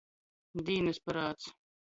Dīnys parāds.